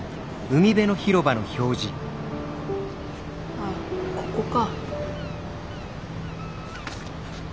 ああここか。